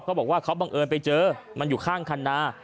เขาบอกว่าเขาบังเอิญไปเจอมันอยู่ข้างคันนา